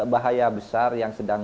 bahaya besar yang sedang